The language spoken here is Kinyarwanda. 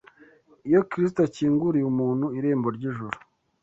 Iyo Kristo akinguriye umuntu irembo ry’ijuru